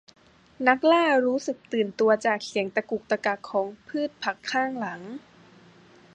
นักล่ารู้สึกตื่นตัวจากเสียงตะกุกตะกักของพืชผักข้างหลัง